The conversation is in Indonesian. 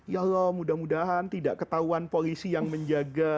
ya allah mudah mudahan tidak ketahuan polisi yang menjaga